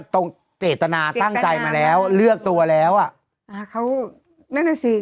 ตรงเจตนาตั้งใจมาแล้วเลือกตัวแล้วอ่ะอ่าเขานั่นน่ะสิ